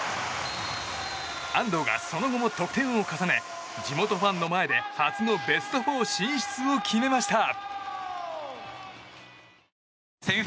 安藤がその後も得点を重ね地元ファンの前で初のベスト４進出を決めました。